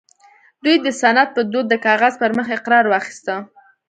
دوی د سند په دود د کاغذ پر مخ اقرار واخيسته